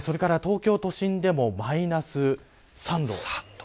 それから東京都心でもマイナス３度。